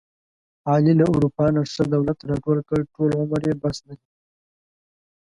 علي له اروپا نه ښه دولت راټول کړ، ټول عمر یې بس دی.